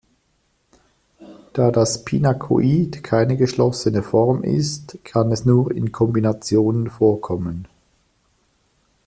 Da das Pinakoid keine geschlossene Form ist, kann es nur in Kombinationen vorkommen.